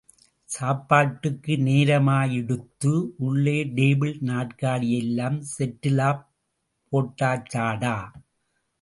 சாப்பாட்டுக்கு நேரமாயிடுத்து... உள்ளே டேபிள், நாற்காலியையெல்லாம் செட்டிலாப் போட்டாச்சாடா?.